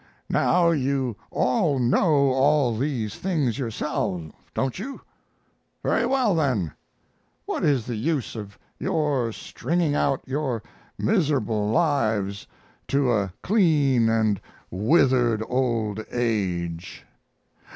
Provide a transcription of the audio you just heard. Now you all know all these things yourself, don't you? Very well, then, what is the use of your stringing out your miserable lives to a clean and withered old age?